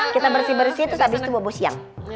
kita bersih bersih habis itu bobo siang